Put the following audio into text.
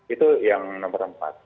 itu yang nomor empat